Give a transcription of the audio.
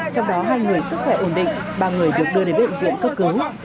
trong đó hai người sức khỏe ổn định ba người được đưa đến bệnh viện cấp cứu